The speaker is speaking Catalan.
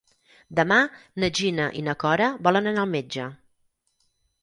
Demà na Gina i na Cora volen anar al metge.